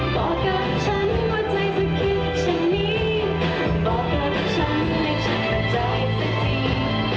บอกกับฉันว่าใจจะคิดฉันนี้